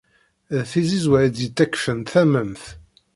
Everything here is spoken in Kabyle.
D tizizwa ay d-yettakfen tamemt.